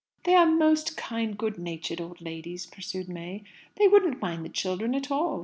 "They are most kind, good natured old ladies," pursued May. "They wouldn't mind the children at all.